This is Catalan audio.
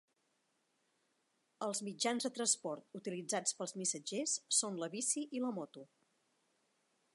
Els mitjans de transport utilitzats pels missatgers són la bici i la moto.